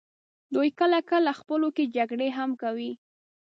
دوی کله کله خپلو کې جګړې هم کوي.